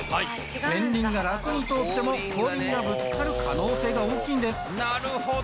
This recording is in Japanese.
前輪が楽に通っても後輪がぶつかる可能性が大きいんですなるほど！